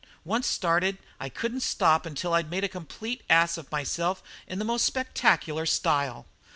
Once started, I couldn't stop until I'd made a complete ass of myself in the most spectacular style.